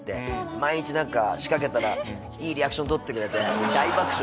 毎日なんか仕掛けたらいいリアクションとってくれて大爆笑して。